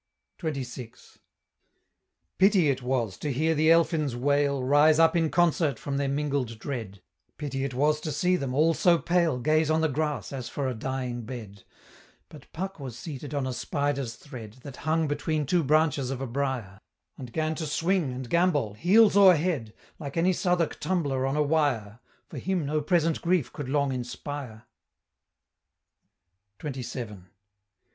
XXVI. Pity it was to hear the elfins' wail Rise up in concert from their mingled dread, Pity it was to see them, all so pale, Gaze on the grass as for a dying bed; But Puck was seated on a spider's thread, That hung between two branches of a briar, And 'gan to swing and gambol, heels o'er head, Like any Southwark tumbler on a wire, For him no present grief could long inspire. XXVII.